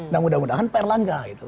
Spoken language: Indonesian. nah mudah mudahan pak erlangga gitu